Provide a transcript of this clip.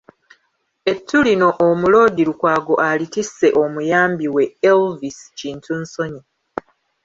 Ettu lino Omuloodi Lukwago alitisse omuyambi we, Elvis Kintu Nsonyi